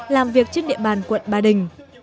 làm việc trên địa bàn quận ba đình